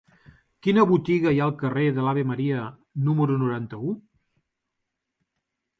Quina botiga hi ha al carrer de l'Ave Maria número noranta-u?